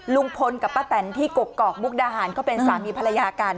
ลุงพลกับป้าแตนที่กกอกมุกดาหารเขาเป็นสามีภรรยากัน